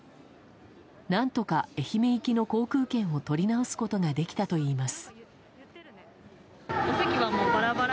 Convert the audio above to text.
何とか愛媛行きの航空券を取り直すことができたといいます。